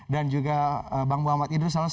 dan juga bang muhammad idris